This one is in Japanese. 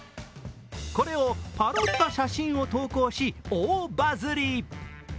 これを、パロった写真を投稿し、大バズり。